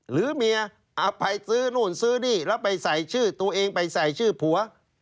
หรือเมียอภัยซื้อนู่นซื้อนี่แล้วไปใส่ชื่อตัวเองไปใส่ชื่อผัว